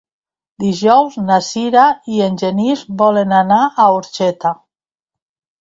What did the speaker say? Dijous na Sira i en Genís volen anar a Orxeta.